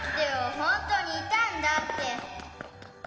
本当にいたんだって。